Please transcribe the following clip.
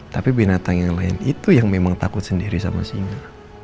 tapi binatang yang lain itu yang memang takut sendiri sama singa